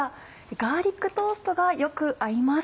ガーリックトーストがよく合います。